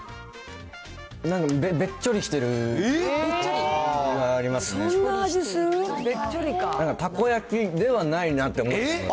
なんかべっちょりしてるのがありますね。